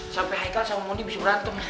sampe haikal sama mondi bisa berantem